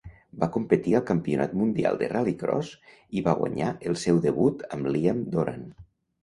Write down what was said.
Va competir al Campionat Mundial de Rallycross i va guanyar al seu debut amb Liam Doran.